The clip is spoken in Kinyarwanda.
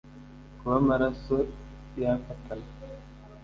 kuba amaraso yafatana